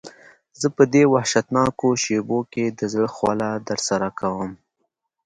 زه په دې وحشتناکو شېبو کې د زړه خواله درسره کوم.